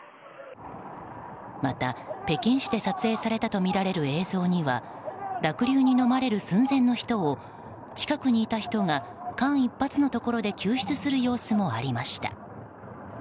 また、北京市で撮影されたとみられる映像には濁流にのまれる寸前の人を近くにいた人が間一髪のところで救出する様子もありました。